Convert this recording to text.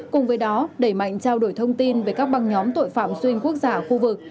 cùng với đó đẩy mạnh trao đổi thông tin về các băng nhóm tội phạm xuyên quốc gia khu vực